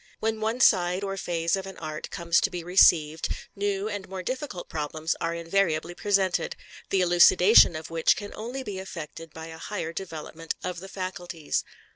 When one side or phase of an art comes to be received, new and more difficult problems are invariably presented, the elucidation of which can only be effected by a higher development of the faculties.